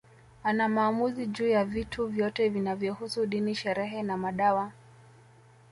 Ana maamuzi juu ya vitu vyote vinavyohusu dini sherehe na madawa